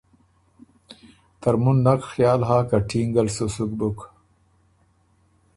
ترمُن نک خیال هۀ که ټینګه ل سُو سُک بُک۔